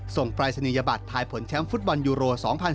ปรายศนียบัตรทายผลแชมป์ฟุตบอลยูโร๒๐๑๙